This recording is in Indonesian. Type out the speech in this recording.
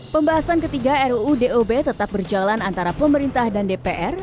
pembahasan ketiga ruu dob tetap berjalan antara pemerintah dan dpr